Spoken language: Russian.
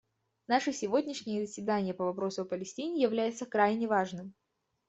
Наше сегодняшнее заседание по вопросу о Палестине является крайне важным.